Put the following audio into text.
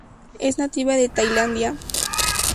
Es nativa de Tailandia.